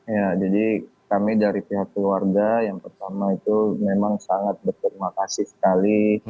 ya jadi kami dari pihak keluarga yang pertama itu memang sangat berterima kasih sekali